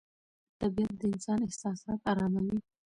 طبیعت د انسان احساسات اراموي